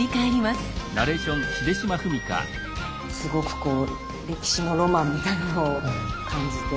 すごくこう歴史のロマンみたいなのを感じて。